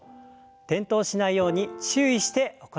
転倒しないように注意して行ってください。